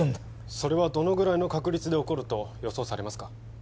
それはどのぐらいの確率で起こると予想されますか？